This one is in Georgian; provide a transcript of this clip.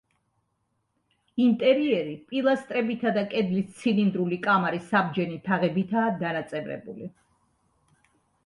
ინტერიერი პილასტრებითა და კედლის ცილინდრული კამარის საბჯენი თაღებითაა დანაწევრებული.